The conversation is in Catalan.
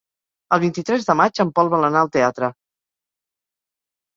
El vint-i-tres de maig en Pol vol anar al teatre.